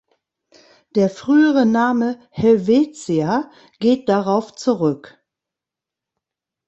Der frühere Name "Helvetia" geht darauf zurück.